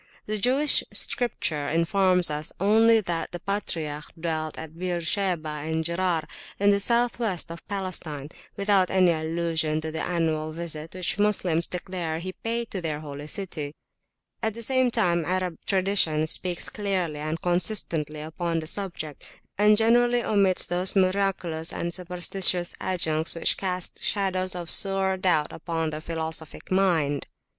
The Jewish Scripture informs us only that the patriarch dwelt at Beersheba and Gerar, in the south west of Palestine, without any allusion to the annual visit which Moslems declare he paid to their Holy City. At the same time Arab tradition speaks clearly and consistently upon the subject, and generally omits those miraculous and superstitious adjuncts which cast shadows of sore doubt upon the philosophic mind.